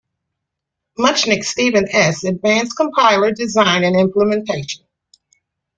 Muchnick, Steven S. "Advanced Compiler Design and Implementation".